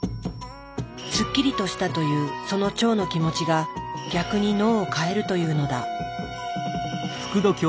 すっきりとしたというその腸の気持ちが逆に脳を変えるというのだ。